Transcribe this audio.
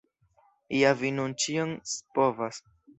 Ja vi nun ĉion scipovas!